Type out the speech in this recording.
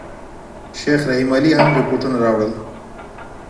شیخ رحیم علي هم رپوټونه راوړل.